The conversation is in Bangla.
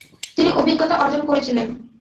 তিনি অভিজ্ঞতা অর্জন করেছিলেন।